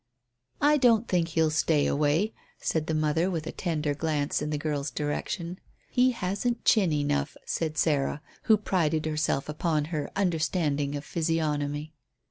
"I don't think he'll stay away," said the mother, with a tender glance in the girl's direction. "He hasn't chin enough," said Sarah, who prided herself upon her understanding of physiognomy.